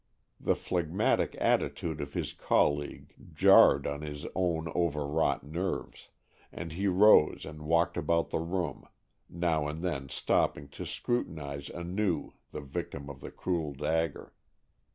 The phlegmatic attitude of his colleague jarred on his own overwrought nerves, and he rose and walked about the room, now and then stopping to scrutinize anew the victim of the cruel dagger.